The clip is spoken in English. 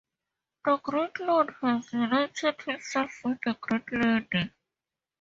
The great lord has united himself with the great lady.